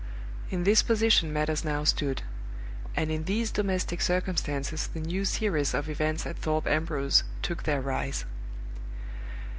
In this position matters now stood; and in these domestic circumstances the new series of events at Thorpe Ambrose took their rise.